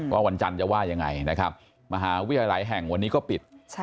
วันจันทร์จะว่ายังไงนะครับมหาวิทยาลัยหลายแห่งวันนี้ก็ปิด